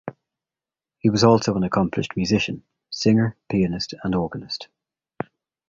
He was also an accomplished musician - singer, pianist and organist.